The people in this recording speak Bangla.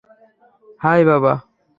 হাই, বাবা!